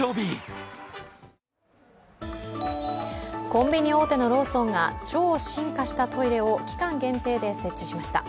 コンビニ大手のローソンが超進化したトイレを期間限定で設置しました。